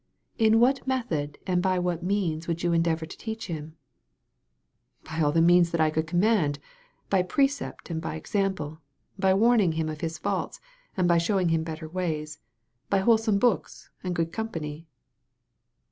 "In what method and by what means' would you endeavor to teach him?" "By all the means that I could command. By precept and by example, by warning him of his faults and by showing him better ways, by whole some books and good company."